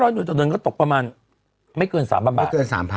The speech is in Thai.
๕๐๐หน่วยต่อเดือนก็ตกประมาณไม่เกิน๓๐๐๐บาท